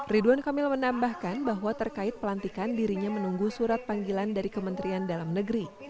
ridwan kamil menambahkan bahwa terkait pelantikan dirinya menunggu surat panggilan dari kementerian dalam negeri